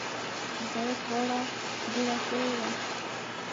د سړک غاړه دوړه شوې وه.